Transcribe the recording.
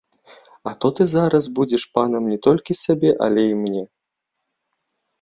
А то ты зараз будзеш панам не толькі сабе, але і мне.